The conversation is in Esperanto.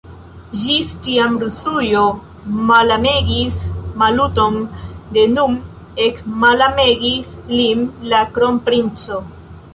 Ĝis tiam Rusujo malamegis Maluton, de nun ekmalamegis lin la kronprinco.